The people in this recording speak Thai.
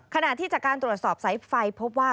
ขณะที่จากการตรวจสอบสายไฟพบว่า